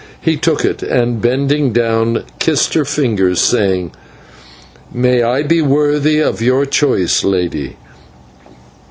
He took it, and, bending down, kissed her fingers, saying: "May I be worthy of your choice, Lady."